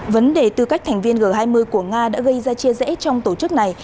vấn đề tư cách thành viên g hai mươi của nga đã gây ra chia rẽ trong tổ chức này